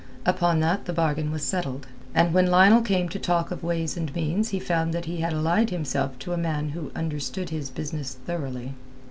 Upon that the bargain was settled. And when Lionel came to talk of ways and means he found that he had allied himself to a man who understood his business thoroughly.